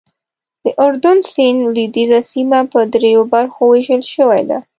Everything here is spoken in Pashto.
د اردن سیند لوېدیځه سیمه په دریو برخو ویشل شوې ده.